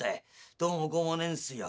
「どうもこうもねえんすよ。